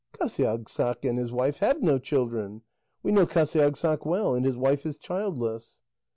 "Qasiagssaq and his wife have no children; we know Qasiagssaq well, and his wife is childless."